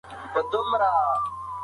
هغوی د ازموینې لپاره چمتووالی نیسي.